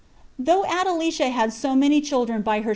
Though Adelicia had so many children by her.